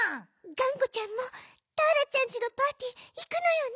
「がんこちゃんもターラちゃんちのパーティーいくのよね？」。